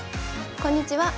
こんにちは。